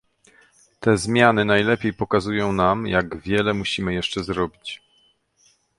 Te zmiany najlepiej pokazują nam, jak wiele musimy jeszcze zrobić